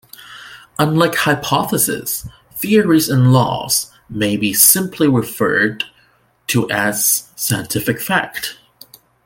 Unlike hypotheses, theories and laws may be simply referred to as scientific fact.